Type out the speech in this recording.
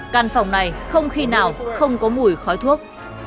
căn phòng này không khi nào không có mùi khói thuốc